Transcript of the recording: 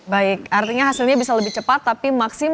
baik artinya hasilnya bisa lebih cepat tapi maksimal